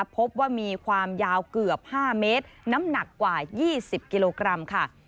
พบว่ามีความยาวเกือบ๕เมตรน้ำหนักกว่า๒๐กิโลกรัมค่ะ